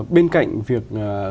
bên cạnh việc